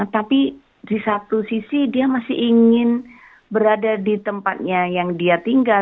tapi di satu sisi dia masih ingin berada di tempatnya yang dia tinggal